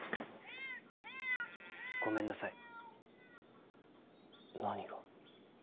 ごめんなさい何が？